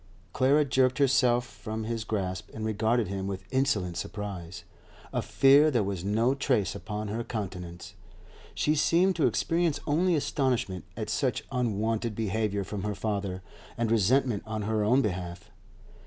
Clara jerked herself from his grasp and regarded him with insolent surprise. Of fear there was no trace upon her countenance; she seemed to experience only astonishment at such unwonted behaviour from her father, and resentment on her own behalf.